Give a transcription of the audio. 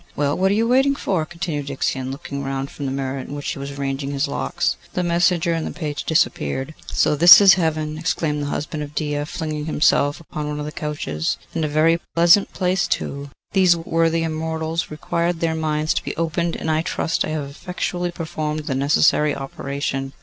'Well! what are you waiting for?' continued Ixion, looking round from the mirror in which he was arranging his locks. The messenger and the page disappeared. 'So! this is Heaven,' exclaimed the husband of Dia, flinging himself upon one of the couches; 'and a very pleasant place too. These worthy Immortals required their minds to be opened, and I trust I have effectually performed the necessary operation.